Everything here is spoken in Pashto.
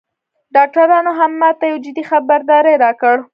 ډاکترانو هم ماته یو جدي خبرداری راکړ